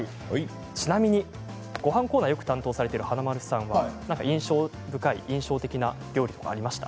ちなみに、ごはんコーナーをよく担当されている華丸さん印象深い印象的な料理とかありました？